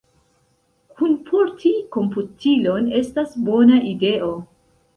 Kunporti komputilon estas bona ideo.